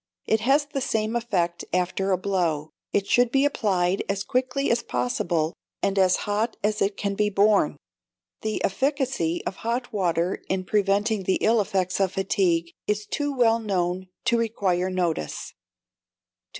It has the same effect after a blow. It should be applied as quickly as possible, and as hot as it can be borne. The efficacy of hot water in preventing the ill effects of fatigue is too well known to require notice. 2454.